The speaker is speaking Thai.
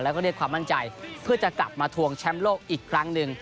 แล้วก็เรียกความมั่นใจเพื่อจะกลับมาทวงแชมป์โลกอีกครั้งหนึ่ง